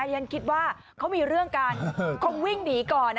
ยังคิดว่าเขามีเรื่องกันคงวิ่งหนีก่อน